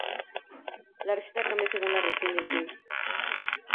La receta cambia según la región y el clima.